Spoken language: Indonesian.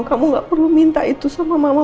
kamu gak perlu minta itu sama mama